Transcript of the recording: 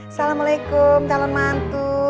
assalamualaikum salam mantu